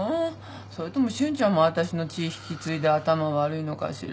それとも俊ちゃんも私の血引き継いで頭悪いのかしら？